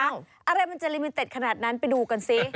อะไรมันจะลิมินเต็ดขนาดนั้นไปดูกันสิ